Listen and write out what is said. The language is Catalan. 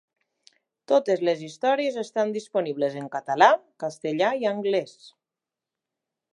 Totes les històries estan disponibles en català, castellà i anglès.